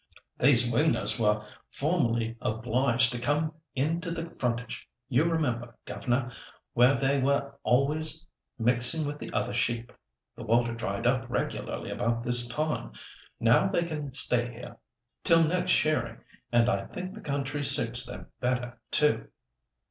"These weaners were formerly obliged to come in to the frontage, you remember governor, where they were always mixing with the other sheep. The water dried up regularly about this time. Now they can stay here till next shearing, and I think the country suits them better, too."